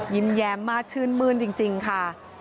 ยิ้มแย้มมากชื่นมื้นจริงค่ะ